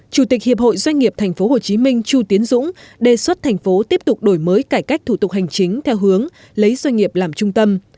chủ tịch hiệp hội doanh nghiệp tp hcm chu tiến dũng đề xuất thành phố tiếp tục đổi mới cải cách thủ tục hành chính theo hướng lấy doanh nghiệp làm trung tâm